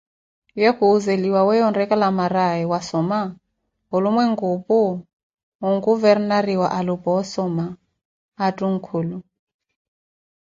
Ye khuseliwa weeyo onrecalamaraye wassoma, olumwenku ophu onkhuvernariwa alupa ossoma athunkulu